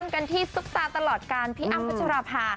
กันที่ซุปตาตลอดการพี่อ้ำพัชราภา